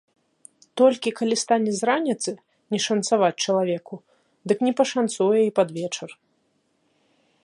Толькі калі стане з раніцы не шанцаваць чалавеку, дык не пашанцуе і пад вечар.